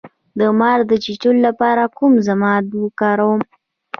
د مار د چیچلو لپاره کوم ضماد وکاروم؟